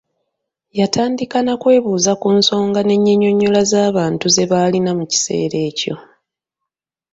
Yatandika n’akwebuuza ku nsonga ne nnyinyonnyola z’abantu ze baalina mu kiseera ekyo.